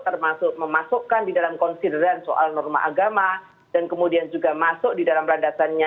termasuk memasukkan di dalam konsideran soal norma agama dan kemudian juga masuk di dalam landasannya